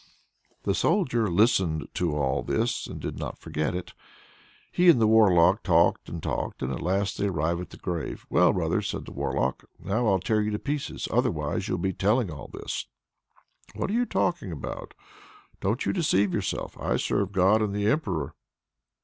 The Soldier listened to all this and did not forget it. He and the Warlock talked and talked, and at last they arrived at the grave. "Well, brother," said the Warlock, "now I'll tear you to pieces. Otherwise you'd be telling all this." "What are you talking about? Don't you deceive yourself; I serve God and the Emperor."